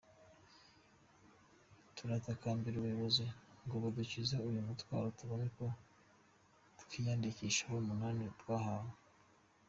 Turatakambira ubuyobozi ngo budukize uyu mutwaro tubone uko twiyandikishaho umunani twahawe.